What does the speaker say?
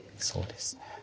そうですね。